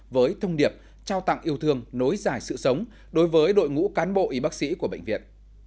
với thông điệp trao tặng yêu thương nối dài sự sống đối với đội ngũ cán bộ y bác sĩ của bệnh viện